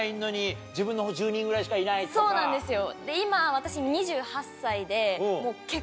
そうなんですよ。